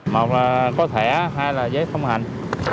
một là có thẻ hai là giấy phong hành